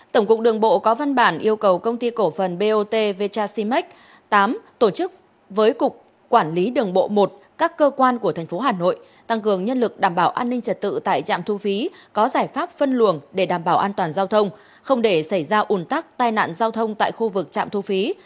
tổng cục đường bộ có văn bản yêu cầu công ty cổ phần bot vjashima tám tổ chức với cục quản lý đường bộ một các cơ quan của thành phố hà nội tăng cường nhân lực đảm bảo an ninh trật tự tại trạm thu phí có giải pháp phân luồng để đảm bảo an toàn giao thông không để xảy ra ủn tắc tai nạn giao thông tại khu vực trạm thu phí